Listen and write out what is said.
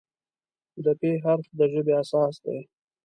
د "پ" حرف د ژبې اساس دی.